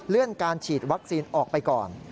เลื่อนการฉีดวัคซีนออกไปก่อน